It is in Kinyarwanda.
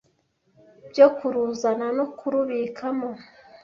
byo kuruzana no kurubikamo,